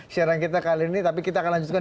siaran kita kali ini tapi kita akan lanjutkan